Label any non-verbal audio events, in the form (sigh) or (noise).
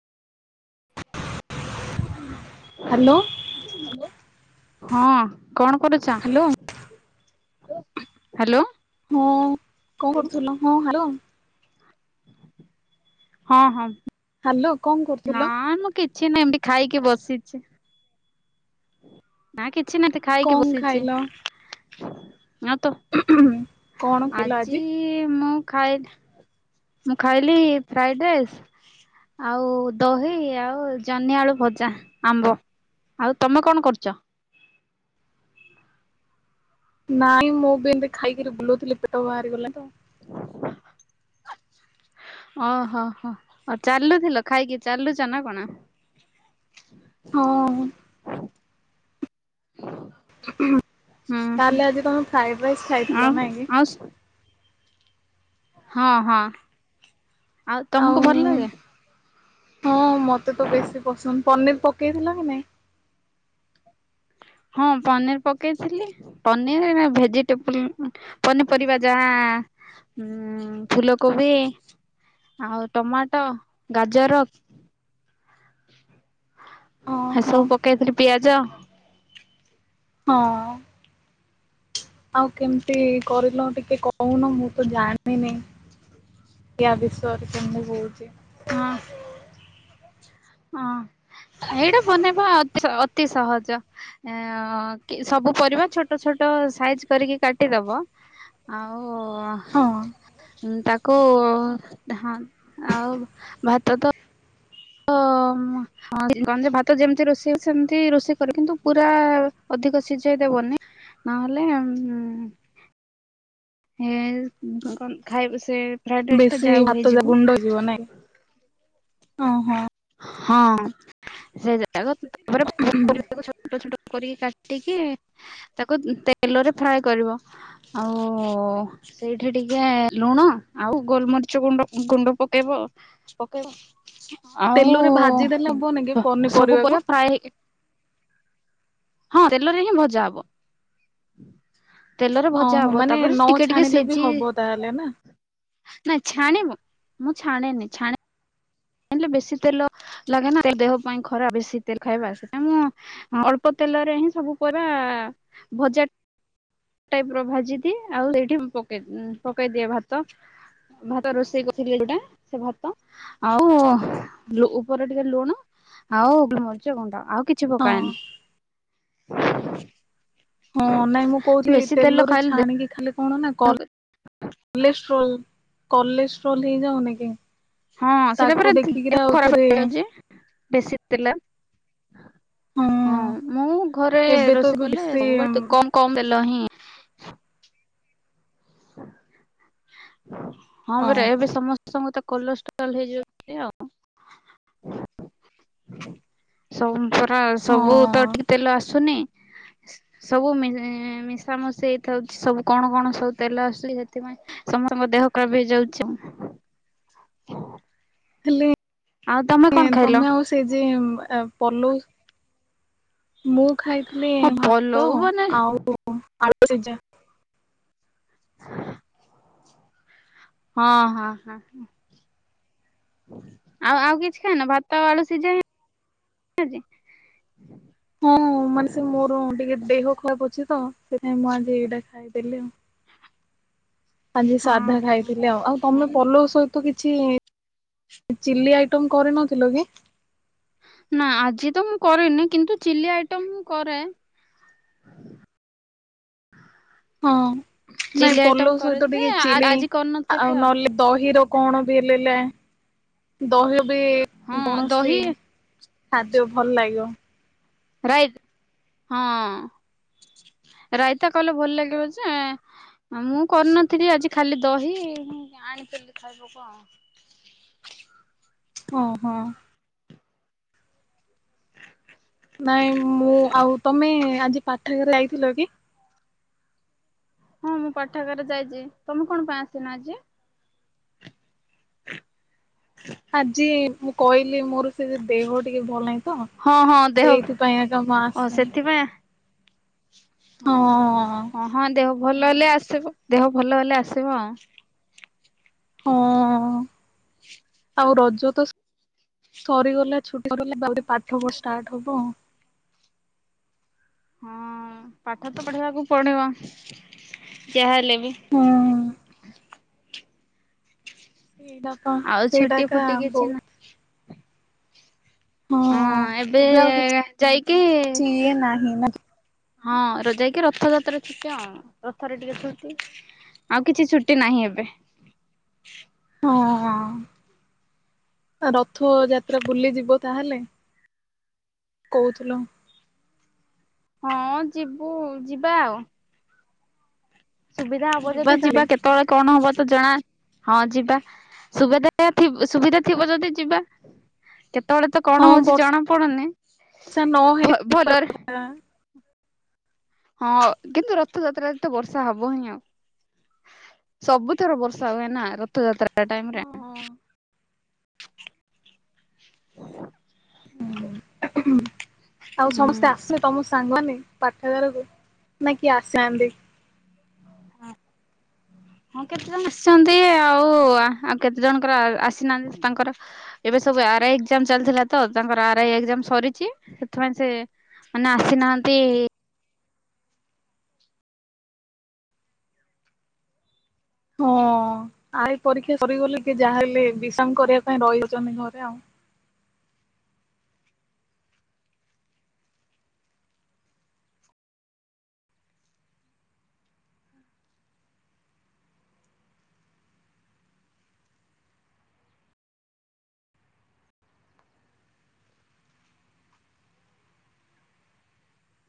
Hello ହଁ କଣ କରୁଛ ହାଲୋ ହାଲୋ ହଁ କଣ କରୁଥିଲ ହଁ ହାଲୋ ହଁ ହ ହ (unintelligible) ହଁ ହଁ ହାଲୋ କଣ କରୁଥିଲ? ନା ମୁଁ କି ଛି ନି ଏମତି ଖାଇକି ବସିଛି ନା କି କିଛି ନାଇ ଏମିତି ଖାଇକି ବସିଛି ହଁ (inaudible) ହୁଁ ହଁ କଣ ଖାଇଲ ଆଜି ମୁଁ ଖାଏ ମୁଁ ଖାଇଲି ଫ୍ରାଇଡ୍ ରାଇସ୍ ଆଉ ଦହି ଆଉ ଜହ୍ନିଆ ଆଳୁ ଭଜା ଆମ୍ବ ଆଉ ତମେ କଣ କରୁଛ ନାଇଁ ମୁଁ ବି ଏମିତି ଖାଇକରି ବୁଲୁଥିଲି ପେଟ ବାହାରିଗଲା ତ ଓହୋ ହୋ ଆଉ ଚାଲୁଥିଲ ଖାଇକି ଚାଲୁଛ ନା କଣ ହଁ ମୁଁ ହୁଁ ତାହେଲେ ଆଜି ତମେ ଫ୍ରାଇଡ୍ ରାଇସ୍ ଆଉ ଖାଇଥିଲ ନାଇଁ କି ଆଉ ହଁ ହଁ ତମକୁ ଆଉ ଭଲ ଲାଗେ? ହଁ ମତେ ତ ବେଶୀ ପସନ୍ଦ ପନିର ପକେଇଥିଲା ନା ନାଇଁ ହଁ ପନିର ପକେଇଥିଲି ପନିର ଭେଜିଟେବଲ ପନି ପରରିବା ଯାହା ଫୁଲକୋବି ଆଉ ଟମାଟୋ ଗାଜର ହଁ ଏହି ହଁ ସବୁ ପକେଇଥିଲି ପିଆଜ ଜା ହଁ ଆଉ କେମିତି କରିଲ ଟିକେ କହୁନ ମୁଁ ମୁ ତ ଜାଣିନି ଏହା ବିଷୟରେ କେମିତି ହଉଛି। ହଁ ହଁ ଏଇଟା ବନେଇବା ଅତି ଅତି ଅତି ସହଜ ସବୁ ପରିବା ଛୋଟ ଛୋଟ ସାଇଜ କରିକି କାଟିଦବ ଆଉ, ଓ ଆ ହଁ ତାକ, କଉ ହଁ ଆଉ ଭାତ ତ, ଅ ଅମ ହ କଣ ଯେ ଭାତ ଯେମିତି ରୋଷେଇ ହୁଏ ସେମତି ରୋଷେଇ କର କିନ୍ତୁ ପୁରା ଅଧିକ ସିଝେଇ ଦେବନି ନହେଲେ ଉମ ହେଁ ଜ କଣ ଖାଇବ ସେ, ଫ୍ରାଇଡ ରାଇସ୍ ଟା ବେଶୀ ଯାଉ ଭାତ ହେଇଯିବ ଯା ଗୁଣ୍ଡ ଯିବ ନାଇଁ, ଓହୋ, ହଁ ସେ ରେ ଛୋଟ ଛୋଟ (unintelligible) କରିକି କାଟିକି ତାକୁ ତେଲରେ ଫ୍ରାଏ କରିବ ଆଉ ସେଇଠି ଟିକେ ଲୁଣ ଆଉ ଗୋଲମରିଚୁଣ୍ଡ ଗୁଣ୍ଡ ପକେଇବ ପକେଇବ ଆଉ ତେଲରେ ଭାଜି ଦେେଲେ ହବନି କି ସବୁ ପରିବା ପନିପରିବାକୁ ଫ୍ରାଏ ହେଇକି ହଁ ତେଲରେ ହିଁ ଭଜା ହବ ତେଲରେ ଭଜା ଓହୋ ହବ ମାନେ ତାପରେ ନ ଟିକେ ଟିକେ ଛାଣିଲେ ବି ସିଝି ହବ ତାହେଲେ ନା ନାଇଁ ଛାଣିବୁ ମୁଁ ଛାଣେନି ଛାଣେ ଆଣଲେ ବେଶୀ ତେଲ ଲାଗେ ନାେ ଦେହ ପାଇଁ ଖରାପ ବେଶୀ ତେଲ ଖାଇବା ସେଟାଇ ମୁଁ ଅଳ୍ପ ତେଲରେ ହିଁ ସବୁ କହିବା ଭଜା ପ ଭାଜିଦିଏ ଆଉ ସେଇଠି ମୁେଇ ପକେଇଦିଏ ଭାତ ଭାତ ରୋଷେଇ କରିଥିଲ ଯୋଉଟା ସେ ଭାତ ଆଉ ଉପରେ ଟିକେ ଲୁଣ ଆଉ ମରିଚ ଗୁଣ୍ଡ ଆଉ କିଛି ହଁ ପକାଏନି ହ (inaudible) ହଁ ନାଇଁ ମୁଁ କହୁ ତେଲ ରେ ଖାଇଲେ ଦେହ ଛାଣିକି ଖାଲି କଣ ନା କ କଲେଷ୍ଟ୍ରୋଲ (inaudible) କଲ୍ଲେେଶଵରଲ ହେଇଯାାଉ ନକି ହଁ ସେଟା ପ ଦେହ ଖରାପ ହେଇଯାଉଛି ବେଶୀ ଦେଥିଲା ହଁ ମୁଁ ଘରେ ଏବେ ତ ରୋଷେଇ ଏବେ କଲେ ବେଶୀ ସବୁବେଳେ କ କମ ଦେ ଲ ହିଁ (inaudible) ହଁ ହଁ ହଁ ପରା ଏବେ ସମସ୍ତଙ୍କୁ ତ କଲେଷ୍ଟ୍ରଲ ହେଇଯିବ ଆଉ ପରା ହଁ ସବୁ ତ ଠିକ୍ ତେଲ ଆସୁନି ସବୁ ମିଶାାମଶି ହେଇଥାଉଛି ସବୁ କଣ କଣ ସବୁ ତେଲ ଆସୁଛି ସେଥିପାଇଁ ସମସ୍ତଙ୍କ ଦେହ ଖରାପ ହେଇଯାଉଛି ଆଉ। ହେଲେ ତମେ କଣ ଖାଇଲ ତମେ ଆଉ ସେ ଯେ ପଲଉ। (inaudible) ମୁଁ ଖାଇଥିଲି ହଁ ପଲଉ ଭାତ ମାନେ ଆଉ (unintelligible) ହ (inaudible) ହଁ ହଁ ହଁ ଆଉ ଆଉ କିଛି ଖାନ ଭାତ ଆଳୁ ସି ଯାଏ ହଁ ମାନେ ସେ ସେଥିାଇଁ ମୁ ଆଜି ଏଇଟା ଖାଇଦେଲେ ଆଉ ଆଜି ହଁ ସାଧା ହଁ ଖାଇଥିଲି ଆଉ ଆଉ ତମେ ହଁ ପଲ ସହିତ ତ କିଛି ଚିଲି ଆଇଟମ କରିନଥିଲ କି? ନା ଆଜି ତ ମୁଁ କରିରେନି କିନ୍ତୁ ଚିଲି ଆଇଟମ କରେ ହଁ। ଚିଲି ନାଇଁ ଆଇଟମ ପଲଉ କରେ ସହିତ ଯେ ଟିକେ ଚିଲି ଆଜି କରିନଥିଲି ଆଉ ନହେଲେ ଦହି ର- କଣ ବି ଲେଲେ ଦହି ବେ ହଁ କୌଣସି ଦହି ଖାଦ୍ୟ ଭଲ ଲାଗିବ। ରାଇଟ ହଁ ରାଇତା କହିଲେ ଭଲ ଲାଗିବ ଯେ ମୁଁ କରିନଥିଲି ଆଜି ଖାଲି ଦହି ଆଣିପାରିଲି ଖାଇଦବୁ କଣ ହଁ ହଁ। ପାଠଘରେ ଯାଗାଇଥିଲ କି? ହଁ ମୁଁ ପାଠାଗାର ଯାଇଛି। ତମେ କଣ ପାଇଁ ଆସିନ ଆଜି? ହ ଆଜି ମୁଁ କଇ ମୋର ସେ ଦେହ ଟିକେ ଭଲ ନାହିଁ ତ ହଁ ହଁ ଦେହ ସେଇଥିପାଇଁ ଆକା ମା ଓ ଆସିଛନ୍ତି। ସେଥିପାଇଁ (inaudible) ଓହୋ ହ ହଁ ଦେହ ଭଲ ହେଲେ ଆସିବ ଦେହ ଭଲ ହେଲେ ଆସିବ ଆଉ ହଁ ଅ ଆଉ ର ଯ ତ ସରିଗଲେ ଛୁଟି ସଲେହୁ ପାଠ ପଢ ଷ୍ଟାର୍ଟ ହବ ଆଉ ହଁ ପାଠ ତ ପଢିବାକୁ ପଡିବ ଯାହଲେ (unintelligible) ସେଇଟାପ ଆଉ ଛୁଟି ସେଇଟାକା ଫୁଟି କିଛି ନା ବହୁତ ହଁ ଏବେ ଆଉ କିଛି ଯାଇକି ଇଏ ନାହିଁ ନା। (inaudible) ହଁ ର ଯାଇକି ରଥଯାତ୍ରା ଥିକ ଆ ରଥରେ ଟିକେ ଥୁଛି ଆଉ କିଛି ଛୁଟି ନାହିଁ। ଏବେ ହଁ ରଥ ଯାତ୍ରା ବୁଲି ଯିବ ତାହେଲେ କହୁଥିଲ। ହଁ ଯିବୁ ଯିବା ଆଉ ସୁବିଧା ହବ ଯଦି ଯିବା କେତେବେଳେ କଣ ହବ ତ ଜଣା ହଁ ଯିବା ସୁବିଧାଥି ସୁବିଧା ଥିବ ଯଦି ଯିବା। କେତେବେଳେ ତ ହଁ କଣ ହଉଛି ବର୍ଷା ଜଣା ପଡୁନି ନହେଲେ ଭ ଭଲରେ- ଯିବା। ହଁ କିନ୍ତୁ ରଥଯାତ୍ରାରେ ତ ବର୍ଷା ହବ ହିଁ ଆଉ ସବୁଥର ବର୍ଷା ହୁଏ ନା ରଥଯାତ୍ରା- ହ ହ ହୁଁ ଆଉ ସମସ୍ତେ ହୁଁ। ଆସିବେ ତମ ସାଙ୍ଗମାନେ- ପାଠାଗାରକୁ ନା କିଏ ଆସିନ୍ତି- ହଁ କେତେ ଜଣ ଆସିଛନ୍ତି ଆଉ ଆଉ କେତେ ଜଣଙ୍କର ଆସିନାହାନ୍ତି ତାଙ୍କର ଏବେ ସବୁ ଆର ଆଇ ଏାମ ଚାଲିଥିଲା ତ ତାଙ୍କର ଆର ଆଇ ଏାମ ସରିଛି ସେଥିପାଇଁ ସେ ମାନେ ଆସିନାହାନ୍ତି- ହଁ ଆଇ ପରୀକ୍ଷା ସରିଗଲେ କି ଯାହା ହେଲେ ବିଷାମ କରିବା ପାଇଁ ରହିଯାଉଛନ୍ତି ଘରେ ଆଉ।